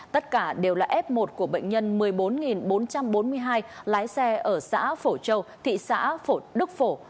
tất cả đều là f một của bệnh nhân một mươi bốn bốn trăm bốn mươi hai lái xe ở xã phổ châu thị xã phổ đức phổ